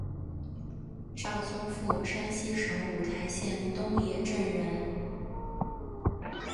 赵宗复山西省五台县东冶镇人。